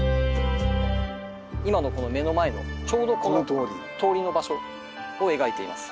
今のこの目の前のちょうどこの通りの場所を描いています。